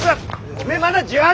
おめえまだ１８。